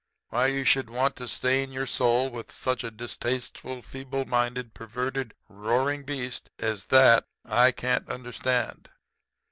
Why you should want to stain your soul with such a distasteful, feeble minded, perverted, roaring beast as that I can't understand.'